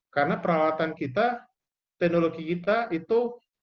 karena perawatan kita teknologi kita itu